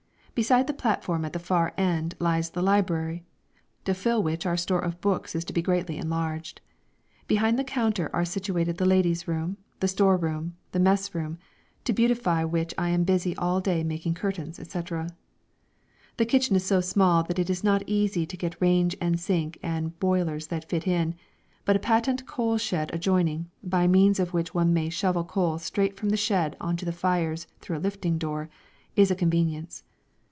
Beside the platform at the far end lies the library, to fill which our store of books is to be greatly enlarged. Behind the counter are situated the ladies' room, the store room, the mess room, to beautify which I am busy all day making curtains, etc. The kitchen is so small that it is not easy to get range and sink and boilers fitted in, but a patent coal shed adjoining, by means of which one may shovel coal straight from the shed on to the fires through a lifting door, is a convenience.